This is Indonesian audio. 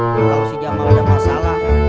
kalau si jamal ada masalah